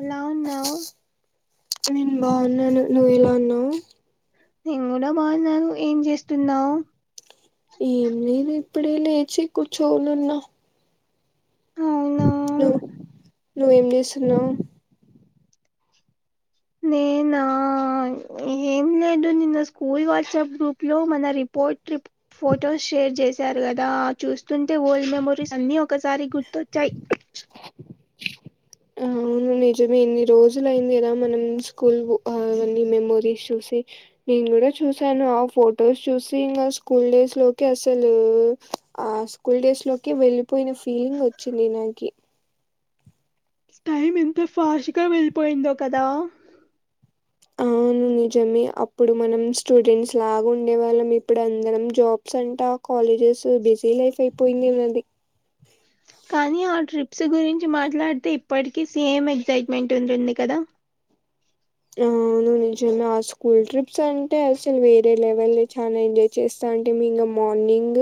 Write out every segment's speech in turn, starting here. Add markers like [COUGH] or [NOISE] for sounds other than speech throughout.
ఎలా ఉన్నావు నేను బాగున్నాను నువ్వెలా ఉన్నావు నేను కూడా బాగున్నాను ఏం చేస్తున్నావు ఏం లేదు ఇప్పుడే లేచి కూర్చోని ఉన్నా అవు హలో నువెంచేస్తున్నవ్ నేనా ఏం లేదు నిన్న స్కూల్ వాట్సాప్ గ్రూప్ లో మన రిపోర్ట్ రి ఫొటోస్ షేర్ చేశారు కదా చూస్తుంటే ఓల్డ్ మెమరీస్ అన్ని ఒకసారి గుర్తొచ్చాయి అవును నిజమే ఎన్ని రోజులు అయింది కదా మనం స్కూల్ అన్ని మెమోరీస్ చూసి నేను కూడా చూసాను ఆ ఫొటోస్ చూసి ఇంకా స్కూల్ డేస్ లోకి అసలు ఆ స్కూల్ డేస్ లోకి వెళ్ళలిపోయిన ఫీలింగ్ వచ్చింది నాకి టైమ్ ఎంత ఫాస్ట్ గా వెళ్ళిపోయిందో కదా అవును నిజమే అప్పుడు మనం స్టూడెంట్స్ లాగా ఉండే వాళ్ళం ఇప్పుడు అందరం జాబ్ స్ అంటా హాలిడేస్ బిజీ లైఫ్ అయిపోయింది అండీ కానీ ఆ ట్రిప్స్ గురించి మాట్లాడితే ఇప్పటికీ సేమ్ ఎగ్జైట్మెంట్ ఉంటుంది కదా ఆ నువ్ నుల్చున్న నుంచి ఆ స్కూల్ ట్రిప్స్ అంటే అసలు వేరే లెవెల్ చాలా ఎంజాయ్ చేస్తాంటిమి ఇంకా మార్నింగ్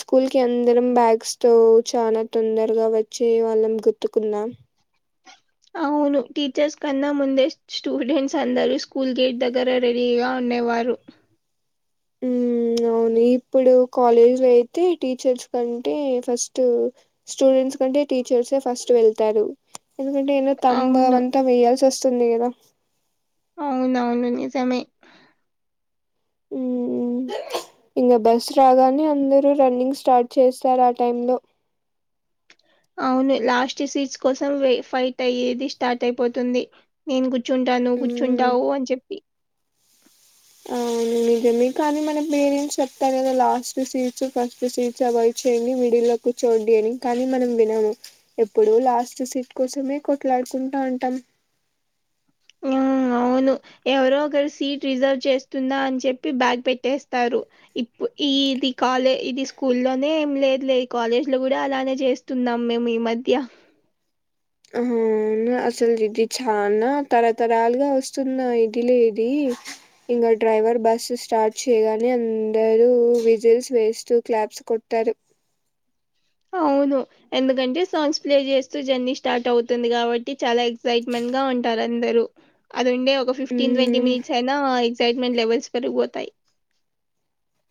స్కూల్ కి అందరం బ్యాగ్స్ తో చాలా తొందరగా వచ్చే వాళ్ళం గుర్తుకుందా అవును టీచర్స్ కన్నా ముందే స్టూడెంట్స్ అందరూ స్కూల్ గేట్ దగ్గర రెడీగా ఉండేవారు ఉమ్ అవును ఇప్పుడు కాలేజ్ అయితే టీచర్స్ కంటే ఫస్ట్ స్టూడెంట్స్ కంటే టీచర్స్ ఏ ఫస్ట్ వెళ్తారు ఎందుకంటే ఏందో తంబ్ అవును అవంతా వేయాల్సి వస్తుంది కదా అవునవును నిజమే ఇంకా బస్ రాగానే అందరు రన్నింగ్ స్టార్ట్ చేస్తారు ఆ టైం లో అవును లాస్ట్ సీస్ కోసం ఫైట్ అయ్యేది స్టార్ట్ అయిపోతుంది నేను కూర్చుంటాను నువ్వు ఉమ్ కూర్చుంటావు అని చెప్పి నిజమే కానీ మనం పేరెంట్స్ చెప్తారు కదా last seats first seats avoid చేయండి మిడిల్లో కూర్చోండి అని కానీ మనం వినము ఎప్పుడు లాస్ట్ సీట్ కోసమే కొట్లాడుకుంటా ఉంటాం హ్మ్ అవు అవును ఎవరో ఒకరు సీట్ రిజర్వ్ చేస్తుందా అని చెప్పి బ్యాగ్ పెట్టేస్తారు ఇప్పు ఈ ఇది కాలే ఇది స్కూల్ లోనే ఏం లేదులే కాలేజ్ లో కూడా అలానే చేస్త చేస్తున్నాం మేం ఈ మధ్య అవునా అసలు ఇది చానా తరతరాలుగా వస్తున్నా ఇదిలే ఇది ఇంకా డ్రైవర్ బస్ స్టార్ట్ చేయగానే అందరూ విజిల్స్ వేస్తూ క్లాప్స్ కొట్టారు అవును ఎందుకంటే సాంగ్స్ ప్లే చేస్తూ జర్నీ స్టార్ట్ అవుతుంది కాబట్టి చాలా ఎక్సైట్మెంట్ గా ఉంటారు అందరూ అదుండే ఒక ఫిఫ్టీన్ ట్వంటీ మ్మ్ మినిట్స్ అయినా ఎక్సైట్మెంట్ లెవెల్స్ పెరిగిపోతాయి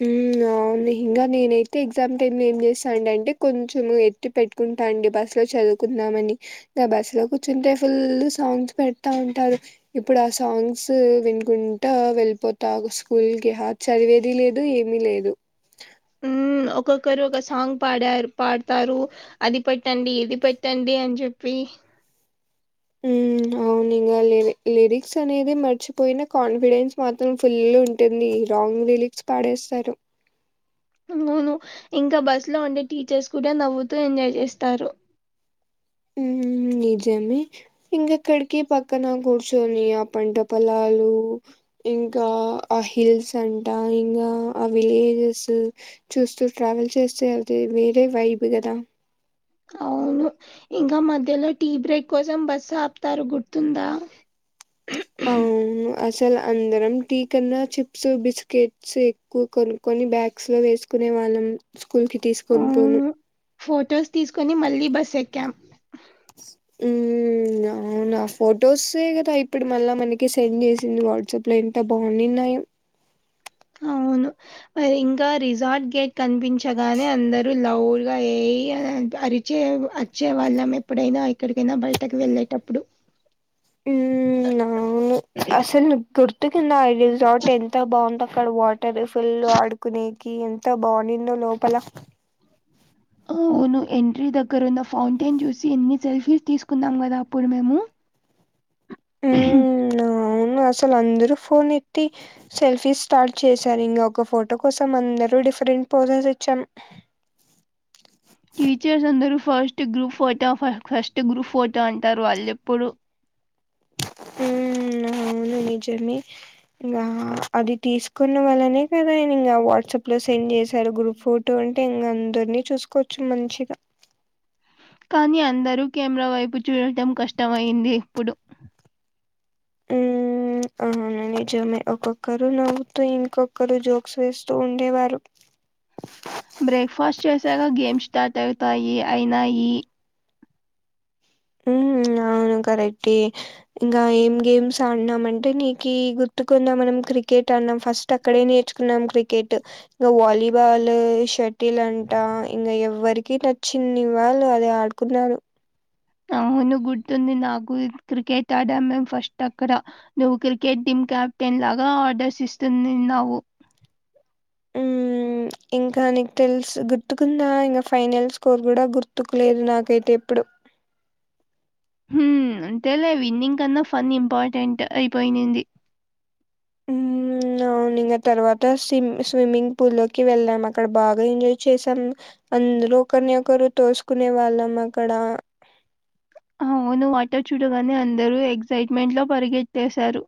హ్మ్ అవును ఇంక నేనైతే ఎగ్జామ్ టైమ్ లో ఏం చేస్తాంటి అంటే కొంచెం పెట్టుకుంటా అండి బస్సు లో చదువుకుందామని ఇంకా బస్సులో కూర్చుంటే ఫుల్ సాంగ్స్ పెడతా ఉంటారు ఇప్పుడు ఆ సాంగ్స్ వినుకుంటా వెళ్ళిపోతాం స్కూల్కి హా చదివేది లేదు ఏమీ లేదు హ్మ్ ఒక్కొక్కరు ఒక సాంగ్ పాడారు పాడతారు అది పెట్టండి ఇది పెట్టండి అని చెప్పి హ్మ్ అవును ఇవాళ లిరి లిరిక్స్ అనేది మర్చిపోయిన కాన్ఫిడెన్స్ మాత్రం ఫుల్ గా ఉంటుంది రాంగ్ లిరిక్ పాడేస్తారు అవును ఇంకా బస్ లో ఉండే టీచర్స్ కూడా నవ్వుతూ ఎంజాయ్ చేస్తారు హ్మ్ నిజమే ఇంగెక్కడికి పక్కన కూర్చొని ఆ పంట పొలాలు ఇంకా ఆ హీల్స్ అంటా ఇంకా ఆ విలేజెస్ చూస్తూ ట్రావెల్ చేస్తే అది వేరే వైబ్ కదా అవును. ఇంకా మధ్యలో టీ బ్రేక్ కోసం బస్సు ఆపుతారు గుర్తుందా. అవును అసలు అందరం టీ కన్నా చిప్స్ బిస్కెట్స్ ఎక్కువ కో కొన్ని బ్యాగ్స్ లో వేసుకునే వాళ్ళం స్కూల్ కి తీసుకొని పోను ఫొటోస్ తీసుకొని మళ్ళీ బస్ ఎక్కాం ఉ అవును ఆ ఫోటోస్ కదా ఇప్పుడు మళ్ళా మనకి సెండ్ చేసింది వాట్సాప్ లో ఎంత బాగున్నాయో అవును, మరి ఇంకా రిసార్ట్ గేట్ కనిపించగానే అందరు లౌడ్ గా ఏయి అనీ అరి వచ్చేవచ్చే వాళ్ళం ఎప్పుడైనా ఎక్కడికైనా బయటకి వెళ్ళేటప్పుడు. ఉఅవును, అసలు నువు గుర్తుకింద ఈ రిసార్ట్ ఎంత బాగుందో, ఇక్కడ వాటర్ ఫుల్లు ఆడుకునేకి ఎంత బానిందో లోపల అవును ఎంట్రీ దగ్గర ఉన్న ఫౌంటైన్ చూసి ఎన్ని సెల్ఫీస్ తీసుకున్నాం. కదా అప్పుడు మేము ఉమ్ అవును, అసలు అందరు ఫోన్ఎత్తి సెల్ఫీస్ స్టార్ట్ చేశారు. ఇంగ ఒక ఫోటో కోసం అందరం డిఫరెంట్ పోజెస్ ఇచ్చాం. టీచర్స్ అందరూ ఫస్ట్ గ్రూప్ ఫోటో ఫా ఫస్ట్ గ్రూప్ ఫోటో అంటారు. వాళ్ళు ఎప్పుడు ఉమ్ [INAUDIBLE] అవును నిజమే ఇగ అది తీసుకున్న వాళ్లనే కదా ఆయన ఇంకా వాట్సాప్ లో సెండ్ చేశారు. గ్రూప్ ఫొటో టూ అంటే ఇంగ అందరినీ చూసుకోచ్చు మంచిగా కానీ అందరూ కెమెరా వైపు చూడటం కష్టంమయింది. ఇప్పుడు ఉమ్ అవును నిజమే ఒక్కక్కరు నవ్వుతూ ఇంకొక్కరు జోక్స్ వేస్తూ ఉండేవారు. బ్రేక్ఫాస్ట్ చేసాక గేమ్ స్టార్ట్ అవుతాయి. అయినాయి అ, కరెక్ట్ ఇంకా ఏం గేమ్స్ ఆడినాం, అంటే నీకు గుర్తుకుందా మనం క్రికెట్ ఆడినం ఫస్ట్ అక్కడే నేర్చుకున్నాం. క్రికెట్ ఇంగ వాలీబాలూ షట్ టీలంట ఇంకా ఎవరికి నచ్చింది. వాళ్ళు అది ఆడుకున్నారు. అవును గుర్తుంది. నాకు క్రికెట్ ఆడాము. మేము ఫస్ట్ అక్కడ నువ్వు క్రికెట్ టీమ్ కెప్టెన్ లాగా ఆర్డర్స్ ఇస్తున్నిన్నావు. ఉమ్ [INAUDIBLE] ఇంకా నీకు తెలుసు గుర్తుకుందా. ఇంకా ఫైనల్ స్కోర్ కూడా గుర్తుకులేదు, నాకైతే ఇప్పుడు అంతేలే విన్నింగ్ కన్నా ఫన్ ఇంపార్టెంట్ అయిపోయినంది. మ్మ్ అవును, ఇంగ తర్వాత స్విమ్ స్విమ్మింగ్ పూల్ లోకి వెళ్ళాం. అక్కడ బాగా ఎంజాయ్ చేసాం. అందలొ ఒకరినొకరు తోసుకునే వాళ్ళం అక్కడ అవును వాటర్ చూడగానే అందరుూ ఎక్సైట్మెంట్ లో పరిగెట్టేశారు.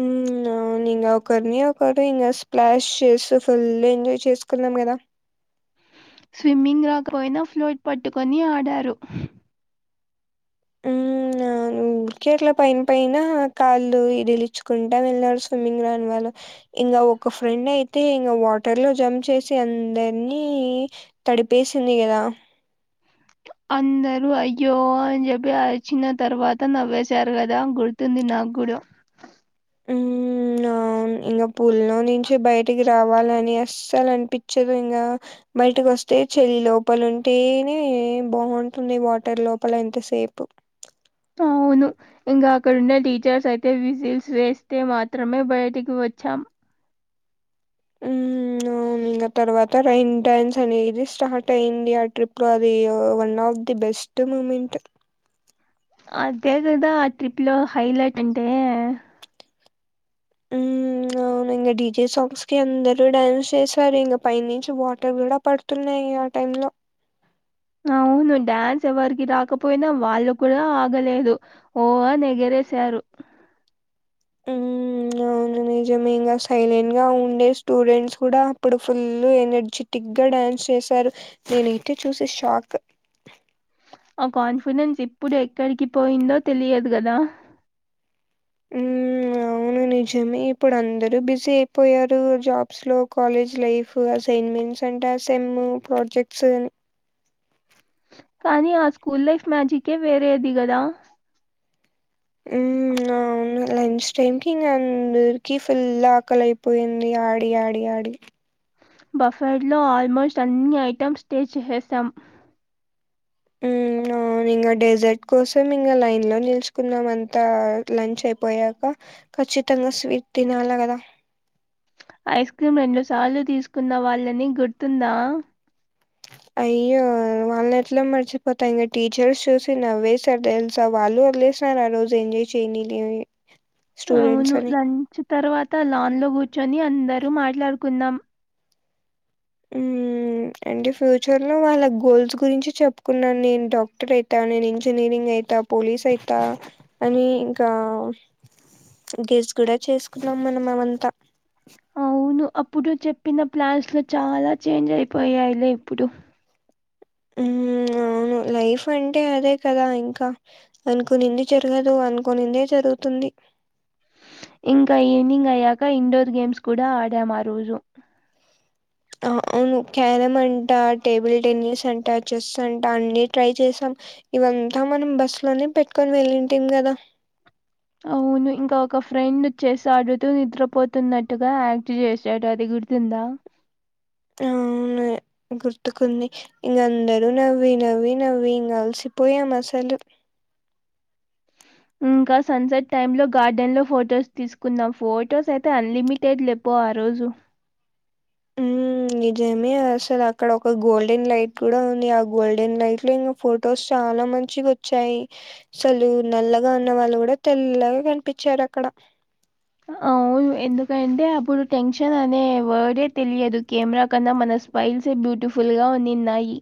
మ్మ్ అవును ఇంక ఒకరిని ఒకరు ఇంకా స్ప్లాష్ చేసి ఫుల్ ఎంజాయ్ చేసుకున్నాం కదా స్విమ్మింగ్ రాకపోయినా ఫ్లోట్ పట్టుకొని ఆడారు. ఉరికే అట్లా పైన పైనా కాళ్ళు ఇదిలిచ్చుకుంటా వెళ్ళారూ. స్విమ్మింగ్ రాని వాళ్ళు ఇంగా ఒక్క ఫ్రెండ్ అయితే ఇంగ వాటర్ లో జంప్ చేసి అందర్నీ తడిపేసింది కదా అందరూ అయ్యో అన్ చెప్పి అర్చిన తర్వాత నవ్వేసారు కదా గుర్ తుంది నాగ్గూడ ఉ నా ఇంగ పుల్లో నుంచి బయటికి రావాలని అస్సలు అనిపించదు ఇంగా బయటికి వస్తే చలి లోపల ఉంటేనే బాగుంటుంది వాటర్ లోపల ఎంతసేపు. అవును ఇంగ అక్కడుండే టీచర్స్ అయితే విజల్స్ వేస్తే మాత్రమే బయటికి వచ్చాం. హుమ్ ఇంగ తర్వాత రైన్ డ్యాన్స్ అనేది స్టార్ట్ అయింది. ఆ ట్రిప్ లో అది ఆ one of the best moment అదే కదా ఆ ట్రిప్ లో హైలైట్ అంటే అవునా డీజే సాంగ్స్ కి అందరూ డ్యాన్స్ చేసారు ఇంగ పైనుంచి వాటర్ గూడ పడ్ తున్నాయి ఆ టైమ్ లో అవును డాన్స్ ఎవరికి రాకపోయినా, వాళ్ళు కూడ ఆగలేదు. ఓ అనేగరేసారు. ఉమ్ [INAUDIBLE] అవును నిజమే ఇంగ సైలెంట్ గా ఉండే స్టూడెంట్స్ కూడ అప్పుడు ఫుల్ ఎనర్జీ టిగ్గా డాన్స్ చేశారు నేనయితే చూసి షాక్ ఆ కాన్ఫిడెన్స్ ఇప్పుడు ఎక్కడికి పోయిందో తెలియదు గదా ఉమ్ అవును నిజమే ఇప్పుడు అందరు బిజీ అయిపోయారు, జాబ్స్ లో కాలేజ్ లైఫ్ ఫు అసైన్మెంట్స్ అంట సేమ్ అసైన్మెంట్స్ ప్రాజెక్ట్స్ అని కానీ ఆ స్కూల్ లైఫ్ మ్యాజిక్ ఏ వేరేది కదా ఉ ఆ వును లంచ్ టైమ్ కి ఇంగా అందరికీ ఫుల్ ఆకలైపోయింది ఆడి ఆడి ఆడి బఫర్డ్లో ఆల్మోస్ట్ అన్ని ఐటెమ్స్ టేస్ట్ చేసేసాం. నా ఇంగ డెజర్ట్ కోసం ఇంగ లైన్ లో నిలుచుకున్నమంతా లంచ్ అయిపోయాక ఖచ్చితంగా స్వీట్ తినాల కదా ఐస్ క్రీమ్ రెండు సార్లు తీసుకున్న వాళ్ళని గుర్తుందా [INAUDIBLE] అయ్యో వాల్లెట్ల మర్చిపోతా ఇంగ టీచర్స్ చూసి నవ్వేసార్ దెల్సా వాళ్ళు వదిలేస్ నారు ఆరోజు ఎంజాయ్ చేయనీలే అని స్టూడెంట్స్ అవును లంచ్ తర్వాత లాన్ లో కూర్చొని అందరు మాట్లాడుకున్నాం. ఉ అండ్ ఫ్యూచర్ లో వాళ్ళ గోల్స్ గురించి చెప్పుకున్నాన్ నేన్ డాక్టర్ అయితా నేను ఇంజనీరింగ్ అయితా పోలీస్ అయిత అనీ ఇంకా గేస్ కూడ చేసుకున్నాం మన అవంతా ను అప్పుడు చెప్పిన ప్లాన్స్ లో చాలా చేంజ్ అయిపోయాయిలే ఇప్పుడు హ్మ్. [INAUDIBLE] అవును లైఫ్ అంటే అదే కదా ఇంకా అనుకునింది జరగదు అనుకొనిన్దే జరుగుతుంది. ఇంకా ఈవినింగ్ అయ్యాక ఇండోర్ గేమ్స్ కూడా ఆడాం ఆ రోజు. ఆ అవును క్యారమ్ అంట టేబుల్ టెన్నిస్ అంట చెస్ అంట అన్ని ట్రై చేసాం. ఇవంతా మనం బస్సు లోనే పెట్కొని వెళ్ళింటిమీ కదా. అవును ఇంకా ఒక ఫ్రెండ్ చేసాడు నిద్రపోతున్నట్టుగా యాక్ట్ చేశాడు అది గుర్తుందా ఆ గుర్తుకుంది ఇక అందరూ నవ్వి నవ్వి నవ్వి ఇంకా అలిసిపోయాం అసలు ఇంకా సన్సెట్ టైమ్ లో గార్డెన్ లో ఫొటోస్ తీసుకున్నాం ఫొటోస్ అయితే అన్లిమిటెడ్ అబో ఆ రోజు ఉమ్ నిజమే అసలు అక్కడ ఒక గోల్డెన్ లైట్ కూడా ఉంది ఆ గోల్డెన్ లైట్ లో ఫొటోస్ చాన మంచిగొచ్చాయి అసలు నల్లగా ఉన్న వాళ్ళు కూడా తెల్లగా కనిపించారు అక్కడ అవును ఎందుకంటే అప్పుడు టెన్షన్ అనే వర్డే తెలియదు కెమెరా కన్నా మన ఫైల్సే బ్యూటిఫుల్ గా ఉన్నిన్నాయి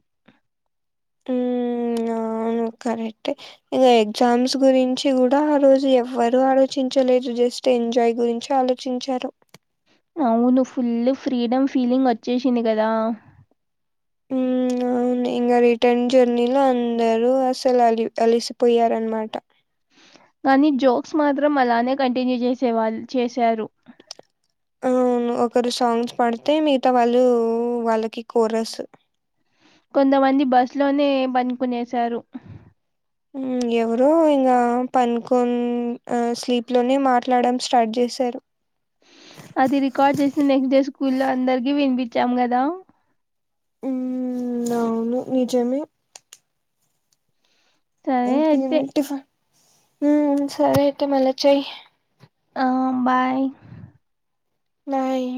ఉమ్ [INAUDIBLE] అవును కరెక్టే ఇగ ఎగ్జామ్స్ గురించి గుడ ఆ రోజు ఎవ్వరు ఆలోచించలేదు జస్ట్ ఎంజాయ్ గురించి ఆలోచించారు అవును ఫుల్లు ఫ్రీడమ్ ఫీలింగ్ వచ్చేశింది గదా ఉమ్ ఇన్ఆడియోబుల్ అవును ఇంగ రిటర్న్ జర్నీలో అందరు అసలు అలి అలిసిపోయారన్నమాట కానీ జోక్స్ మాత్రం అలానే కంటిన్యూ చేసే వాళ్ళు చేశారు అవును ఒకరు సాంగ్స్ పడితే మిగతా వాళ్ళు వాళ్ళకి కోరస్ కొంతమంది బస్సు లోనే పనుకునేసారు ఎవరు ఇంకా పనుకోన్ స్లీప్ లోనే మాట్లాడం స్టార్ట్ చేశారు అది రికార్డ్ చేసి నెక్స్ట్ డే స్కూల్ లో అందరిక వినిపించాం కదా అవును నిజమే సరే అయితే. టిఫన్ ఉమ్ సరే అయితే మల్ల చెయ్ ఆ బాయ్ బాయ్